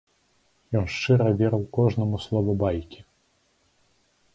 Ён шчыра верыў кожнаму слову байкі.